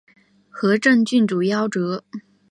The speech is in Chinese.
和政郡主夭折。